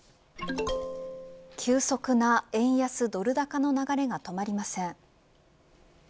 急速な円安ドル高の流れが止まりません。